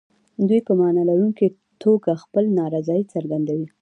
دوی په معنا لرونکي توګه خپله نارضايي څرګندوي.